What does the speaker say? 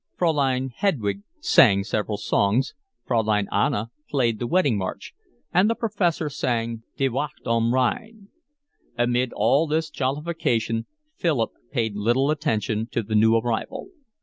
Fraulein Hedwig sang several songs, Fraulein Anna played the Wedding March, and the Professor sang Die Wacht am Rhein. Amid all this jollification Philip paid little attention to the new arrival.